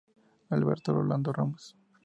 Alberto Rolando Ramos.